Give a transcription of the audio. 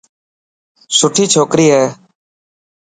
سٺوي ڇوڪري هي.